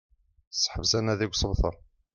Seḥbes anadi deg usebter